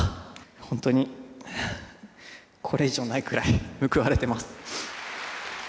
本当にこれ以上ないくらい報われてます。